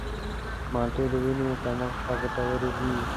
مالټې د وینې کمښت ته ګټورې دي.